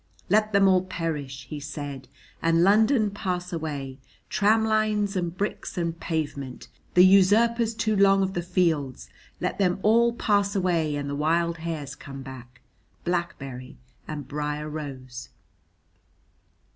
"Let them all perish," he said, "and London pass away, tram lines and bricks and pavement, the usurpers too long of the fields, let them all pass away and the wild hares come back, blackberry and briar rose."